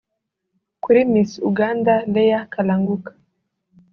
Kuri Miss Uganda Leah Kalanguka